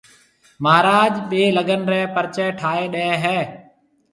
مھاراج ٻيَ لڳن رَي پريچيَ ٺائيَ ڏَي ھيَََ